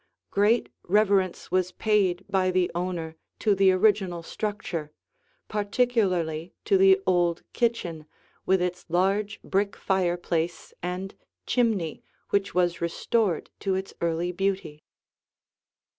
Great reverence was paid by the owner to the original structure, particularly to the old kitchen with its large, brick fireplace and chimney which was restored to its early beauty.